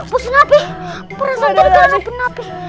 bos nafih perhatian terkena nafih